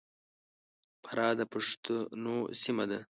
فراه د پښتنو سیمه ده.